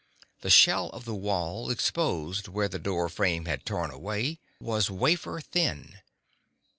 The shell of the wall, exposed where the door frame had torn away, was wafer thin.